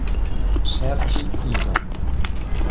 Sergi Pino